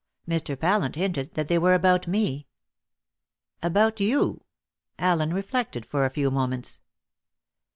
Mr. Pallant hinted that they were about me." "About you?" Allen reflected for a few moments.